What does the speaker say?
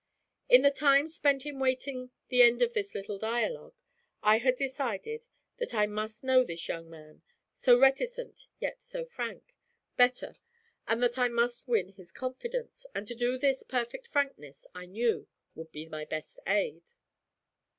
In the time spent in waiting the end of this little dialogue I had decided that I must know this young man so reticent, yet so frank better, and that I must win his confidence, and to do this perfect frankness, I knew, would be my best aid.